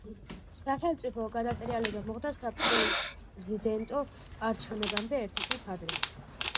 სახელმწიფო გადატრიალება მოხდა საპრეზიდენტო არჩევნებამდე ერთი თვით ადრე.